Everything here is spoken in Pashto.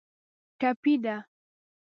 ټپي ده.